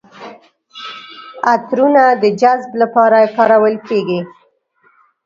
عطرونه د جذب لپاره کارول کیږي.